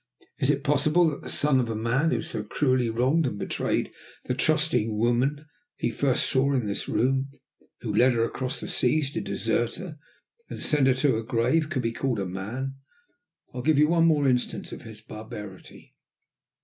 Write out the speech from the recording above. Is it possible that the son of the man who so cruelly wronged and betrayed the trusting woman he first saw in this room, who led her across the seas to desert her, and to send her to her grave, could be called a man? I will give you one more instance of his barbarity."